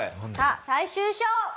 さあ最終章。